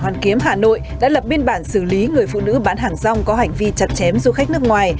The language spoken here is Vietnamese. hoàn kiếm hà nội đã lập biên bản xử lý người phụ nữ bán hàng rong có hành vi chặt chém du khách nước ngoài